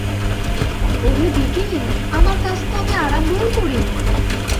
ওহে বিপিন, আমার কাজ তো আমি আরম্ভও করি নি।